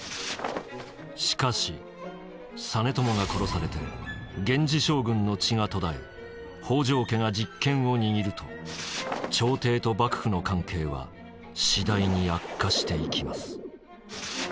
しかし実朝が殺されて源氏将軍の血が途絶え北条家が実権を握ると朝廷と幕府の関係は次第に悪化していきます。